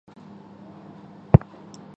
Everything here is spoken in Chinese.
大家能充分利用时间